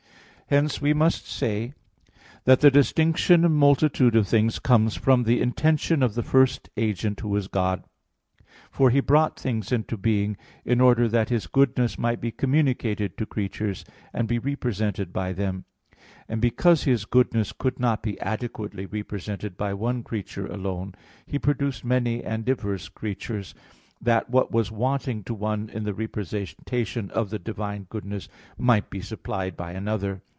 Hence we must say that the distinction and multitude of things come from the intention of the first agent, who is God. For He brought things into being in order that His goodness might be communicated to creatures, and be represented by them; and because His goodness could not be adequately represented by one creature alone, He produced many and diverse creatures, that what was wanting to one in the representation of the divine goodness might be supplied by another.